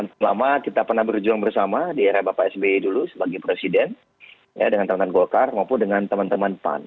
selama kita pernah berjuang bersama di era bapak sby dulu sebagai presiden dengan teman teman golkar maupun dengan teman teman pan